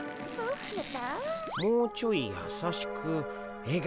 もうちょいやさしく笑顔もまぜて。